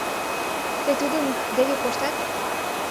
— Тый тудын деке коштат?